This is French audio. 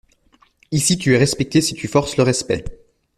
Ici, tu es respecté si tu forces le respect.